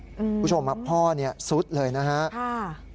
คุณผู้ชมพ่อสุดเลยนะครับ